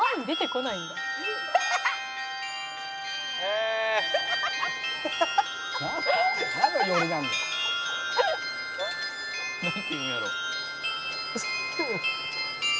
「なんて言うんやろう？」